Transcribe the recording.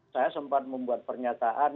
saya sempat membuat pernyataan